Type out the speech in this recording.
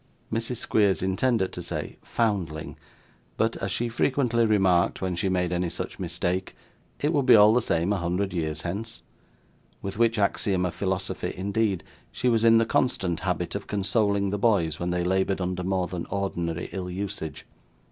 'Mrs. Squeers intended to say 'foundling,' but, as she frequently remarked when she made any such mistake, it would be all the same a hundred years hence; with which axiom of philosophy, indeed, she was in the constant habit of consoling the boys when they laboured under more than ordinary ill usage.